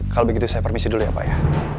kalau begitu saya permisi dulu ya pak ya